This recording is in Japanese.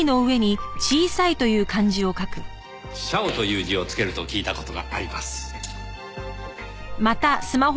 「小」という字を付けると聞いた事があります。